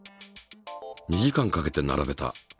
２時間かけて並べた。